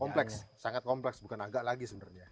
kompleks sangat kompleks bukan agak lagi sebenarnya